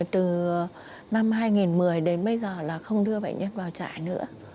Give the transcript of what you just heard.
từ năm hai nghìn một mươi đến bây giờ là không đưa bệnh nhân vào trại nữa